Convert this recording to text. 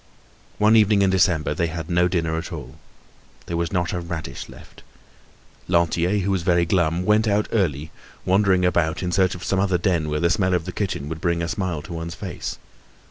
One evening in December they had no dinner at all. There was not a radish left. Lantier, who was very glum, went out early, wandering about in search of some other den where the smell of the kitchen would bring a smile to one's face.